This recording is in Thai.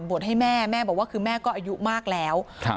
ให้แม่แม่บอกว่าคือแม่ก็อายุมากแล้วครับ